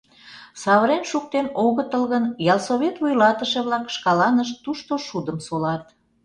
Савырен шуктен огытыл гын, ялсовет вуйлатыше-влак шкаланышт тушто шудым солат.